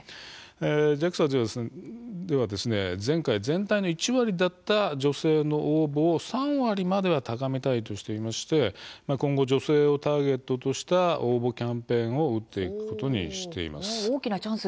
ＪＡＸＡでは前回全体の１割だった女性の応募を３割までは高めたいとしていまして今後女性をターゲットとした応募キャンペーンを打っていくことにしています。